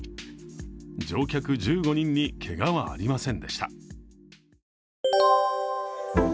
乗客１５人にけがはありませんでした。